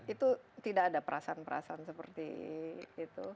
itu tidak ada perasaan perasaan seperti itu